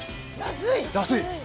安い。